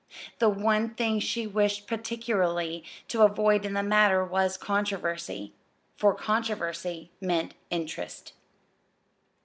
The one thing she wished particularly to avoid in the matter was controversy for controversy meant interest.